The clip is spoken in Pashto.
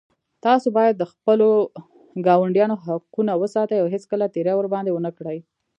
تاسو باید د خپلو ګاونډیانو حقونه وساتئ او هېڅکله تېری ورباندې ونه کړئ